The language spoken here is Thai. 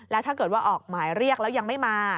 แล้วถ้าเกิดว่าออกหมายเรียกแล้วยังไม่มา